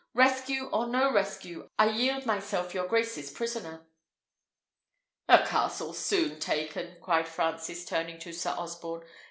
"Rescue or no rescue, I yield myself your grace's prisoner." "A castle soon taken!" cried Francis, turning to Sir Osborne.